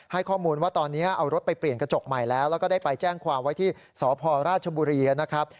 ให้ข้อมูลว่าตอนนี้เอารถไปเปลี่ยนกระจกใหม่แล้วแล้วก็ได้ไปแจ้งความไว้ที่สพราชบุรีนะครับ